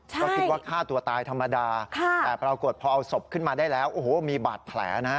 ก็คิดว่าฆ่าตัวตายธรรมดาแต่ปรากฏพอเอาศพขึ้นมาได้แล้วโอ้โหมีบาดแผลนะฮะ